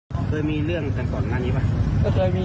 ทางตำรวจนะครับก็ตั้งข้อหาพยายามฆ่าผู้อื่น